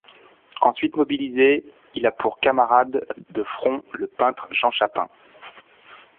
Ensuite mobilisé, il a pour camarade de front le peintre Jean Chapin.